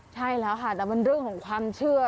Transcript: ใช่แล้วค่ะแต่มันเรื่องของความเชื่อ